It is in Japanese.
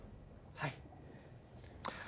はい。